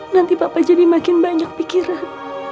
nanti papa jadi makin banyak pikiran